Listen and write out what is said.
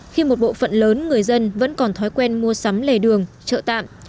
khi một bộ phận lớn người dân vẫn còn thói quen mua sắm lề đường trợ tạm